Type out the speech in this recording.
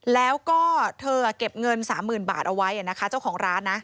แล้วก็เธอเก็บเงิน๓๐๐๐บาทเอาไว้นะคะเจ้าของร้านนะ